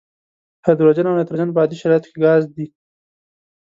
هایدروجن او نایتروجن په عادي شرایطو کې ګاز دي.